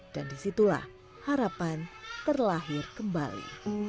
dan disitulah harapan terlahir kembali